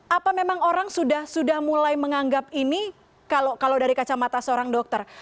apa memang orang sudah mulai menganggap ini kalau dari kacamata seorang dokter